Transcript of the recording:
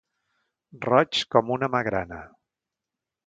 Roig com una magrana.